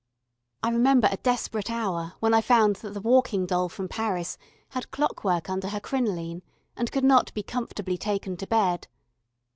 I remember a desperate hour when I found that the walking doll from Paris had clockwork under her crinoline, and could not be comfortably taken to bed.